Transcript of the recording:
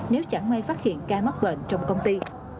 nếu chẳng may phát hiện ca mắc bệnh trong công ty